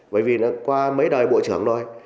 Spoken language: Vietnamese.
bởi vì nó qua mấy đời bộ trưởng thôi